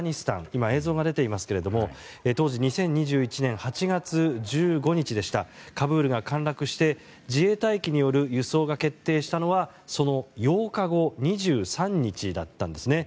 今、映像が出ていますが当時２０２１年８月１５日カブールが陥落して自衛隊機による輸送が決定したのは、その８日後２３日だったんですね。